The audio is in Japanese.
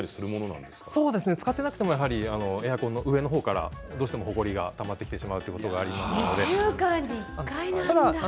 使わなくても使わなくてもエアコンの上のほうからどうしてもほこりがたまってきてしまうということがあります。